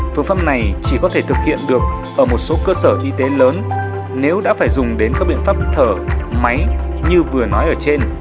phương pháp này chỉ có thể thực hiện được ở một số cơ sở y tế lớn nếu đã phải dùng đến các biện pháp thở máy như vừa nói ở trên